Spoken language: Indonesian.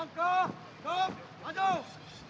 langkah negop maju